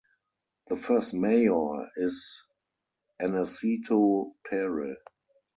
The First mayor is Aneceto Pere.